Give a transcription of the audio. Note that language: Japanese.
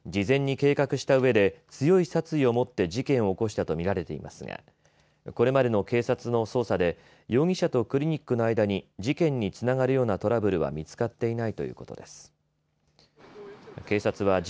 事前に計画したうえで強い殺意を持って事件を起こしたとみられていますがこれまでの警察の捜査で容疑者とクリニックの間に事件につながるようなトラブルは見つかっていないということです。